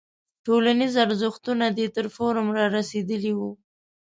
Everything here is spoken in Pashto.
ټولنیز ارزښتونه دې تر فورم رارسېدلی وي.